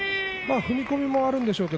踏み込みはあるんでしょうが